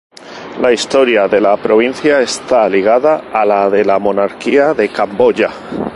La historia de la provincia está ligada a la de la monarquía de Camboya.